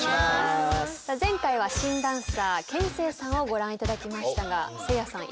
前回は新ダンサーＫＥＮＳＥＩさんをご覧いただきましたがせいやさん